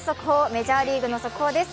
メジャーリーグの速報です。